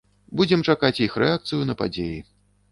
Будзем чакаць іх рэакцыю на падзеі.